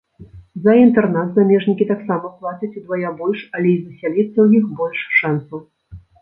За інтэрнат замежнікі таксама плацяць удвая больш, але і засяліцца ў іх больш шанцаў.